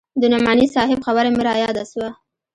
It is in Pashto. د نعماني صاحب خبره مې راياده سوه.